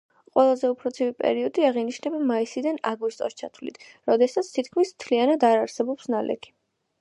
ყველაზე უფრო ცივი პერიოდი აღინიშნება მაისიდან აგვისტოს ჩათვლით, როდესაც თითქმის მთლიანად არ არსებობს ნალექი.